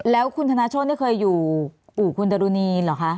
แล้วคุณธนโชธนี่เคยอยู่อู่คุณดรุณีเหรอคะ